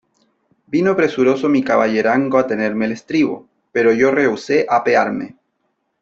vino presuroso mi caballerango a tenerme el estribo , pero yo rehusé apearme .